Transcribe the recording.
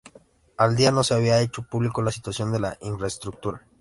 A día no se había hecho público la situación de las infraestructuras